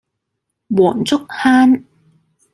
黃竹坑